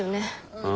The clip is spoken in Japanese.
うん。